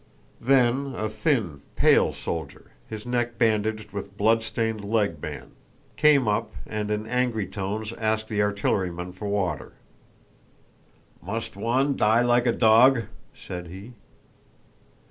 Then a thin, pale soldier, his neck bandaged with a bloodstained leg band, came up and in angry tones asked the artillerymen for water. "Must one die like a dog?" said he.